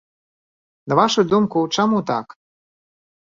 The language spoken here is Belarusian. На вашу думку, чаму так?